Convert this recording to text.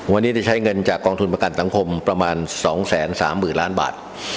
วันนี้ได้ใช้เงินจากกองทุนประกันสังคมประมาณ๒๓๐๐๐ล้านบาท